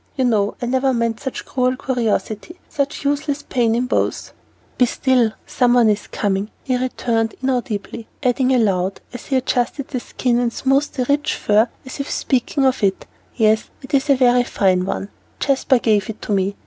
You know I never meant such cruel curiosity, such useless pain to both " "Be still, someone is coming," he returned inaudibly; adding aloud, as he adjusted the skin and smoothed the rich fur as if speaking of it, "Yes, it is a very fine one, Jasper gave it to me.